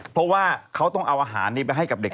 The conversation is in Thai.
เพราะว่าเขาต้องเอาอาหารนี้ไปให้กับเด็ก